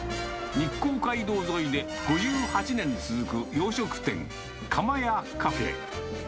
日光街道で５８年続く洋食店、かまやカフェ。